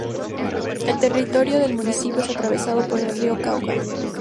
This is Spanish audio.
El territorio del municipio es atravesado por el río Cauca.